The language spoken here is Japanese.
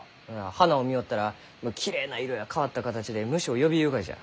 花を見よったらきれいな色や変わった形で虫を呼びゆうがじゃ。